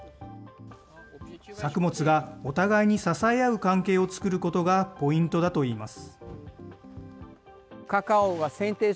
作物がお互いに支え合う関係を作ることがポイントだといいます。